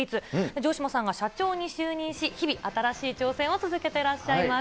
城島さんが社長に就任し、日々、新しい挑戦を続けてらっしゃいます。